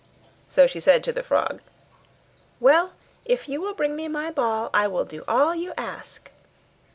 So she said to the frog, 'Well, if you will bring me my ball, I will do all you ask.